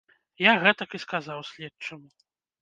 Я гэтак і сказаў следчаму.